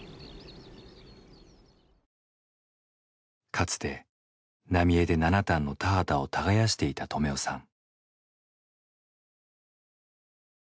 かつて浪江で７反の田畑を耕していた止男さん。